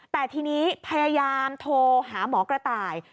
แต่ทีนี้พยายามโทรหาหมอกระต่าย